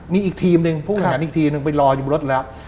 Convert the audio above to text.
มีอีกทีมหนึ่งผู้ขันอีกทีนึงไปรออยู่บนรถแล้ว